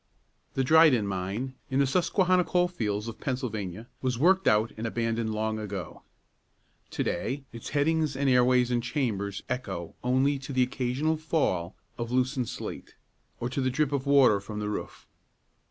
The Dryden Mine, in the Susquehanna coal fields of Pennsylvania, was worked out and abandoned long ago. To day its headings and airways and chambers echo only to the occasional fall of loosened slate, or to the drip of water from the roof.